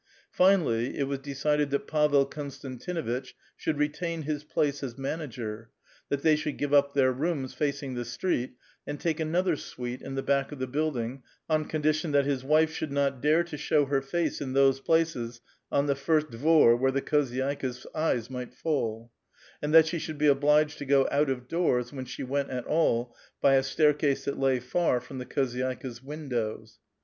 Fiiiallv it was decided that Pavel Konstan tiiuiitch should retain his place as manager ; that they sliould give up their rooms facing the street and take anoth(*r suiti* in the back of the building, on condition that his wife >lu)nid not dare to show her face in those places on the tir t d'ytr wliore the khozyd^kcVs eyes might fall ; and that >ho shi»uld bo obliijed to go out of doors, when she Went at all, hy a staircase that lav far from the khozyd'ika's windows.